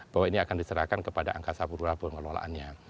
bahwa ini akan diserahkan kepada angkasa pura pengelolaannya